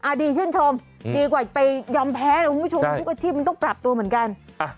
ดีชื่นชมดีกว่าไปยอมแพ้นะคุณผู้ชมทุกอาชีพมันต้องปรับตัวเหมือนกัน